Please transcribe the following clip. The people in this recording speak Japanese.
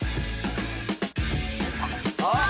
あっ！